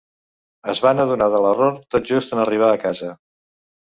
Es van adonar de l'error tot just en arribar a casa.